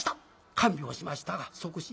看病しましたが即死。